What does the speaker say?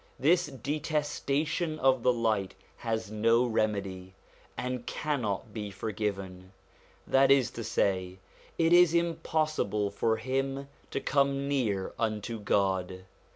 This detestation of the light has no remedy, and cannot be forgiven ; that is to say, it is impossible for him to come near unto God.